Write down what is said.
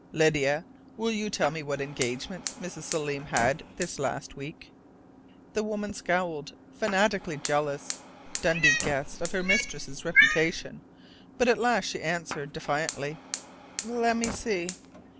"Lydia, will you tell me what engagements Mrs. Selim had this last week?" The woman scowled, fanatically jealous, Dundee guessed, of her mistress' reputation, but at last she answered defiantly: "Let me see....